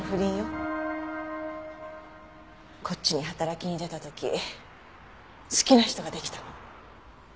こっちに働きに出た時好きな人ができたの。